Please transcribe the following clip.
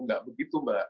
nggak begitu mbak